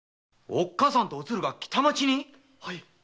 おっかさんとおつるが北町に？